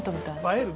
映える？